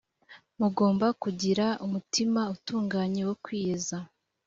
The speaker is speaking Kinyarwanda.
mugomba kugiraa umutima utunganye wo kwiyeza